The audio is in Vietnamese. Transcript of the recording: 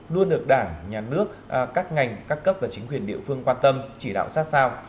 luôn được đảng nhà nước các ngành các cấp và chính quyền địa phương quan tâm chỉ đạo sát sao